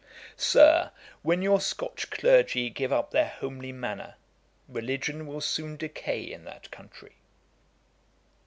Sir, when your Scotch clergy give up their homely manner, religion will soon decay in that country.'